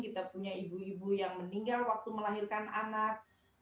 kita punya ibu ibu yang meninggal waktu melahirkan anak